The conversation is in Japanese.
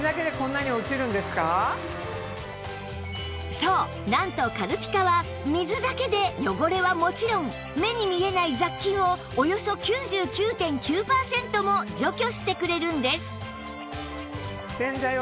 そうなんと軽ピカは水だけで汚れはもちろん目に見えない雑菌をおよそ ９９．９ パーセントも除去してくれるんです